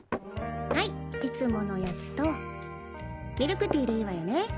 ハイいつものやつとミルクティーでいいわよね。